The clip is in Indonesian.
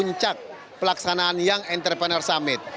puncak pelaksanaan young entrepreneur summit